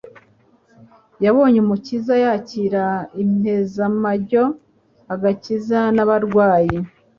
yabonye Umukiza yakira impezamajyo agakiza n'abarwayi;